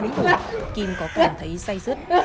khoài say ngắn thủ kim có cảm thấy say rứt